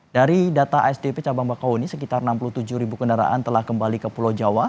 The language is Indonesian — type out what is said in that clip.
dari data asdp cabang bakahuni sekitar enam puluh tujuh ribu kendaraan telah kembali ke pulau jawa